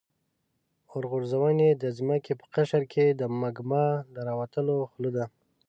اورغورځونې د ځمکې په قشر کې د مګما د راوتلو خوله ده.